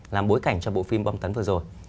làm bối cảnh cho bộ phim bom tấn vừa rồi